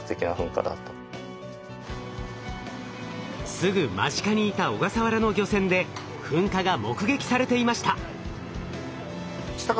すぐ間近にいた小笠原の漁船で噴火が目撃されていました。